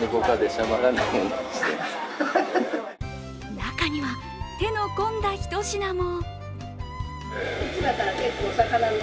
中には、手の込んだひと品も。